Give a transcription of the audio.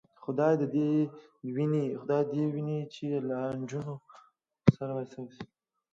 خدای دې دې ویني چې لانجو کې ښکېل وې.